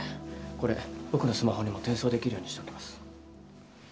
これ僕のスマホにも転送できるようにしておきます。